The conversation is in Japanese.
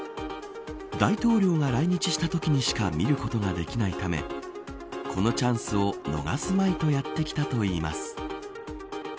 大統領が来日したときにしか見ることができないためこのチャンスを逃すまいとやってきたといいます。